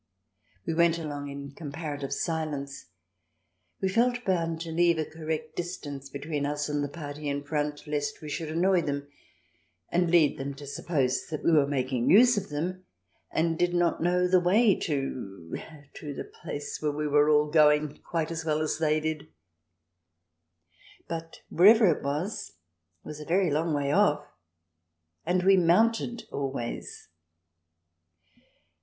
We went along in comparative silence. We felt bound to leave a correct distance between us and the party in front lest we should annoy them. CH. VI] BEER GARDENS 83 and lead them to suppose that we were making use of them and did not know the way to to the place where we were all going, quite as well as they did. But , wherever it was, was a very long way off. And we mounted always.